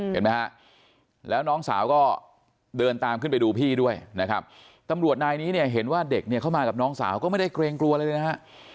เห็นไหมฮะแล้วน้องสาวก็เดินตามขึ้นไปดูพี่ด้วยนะครับตำรวจนายนี้เนี่ยเห็นว่าเด็กเนี่ยเข้ามากับน้องสาวก็ไม่ได้เกรงกลัวอะไรเลยนะฮะ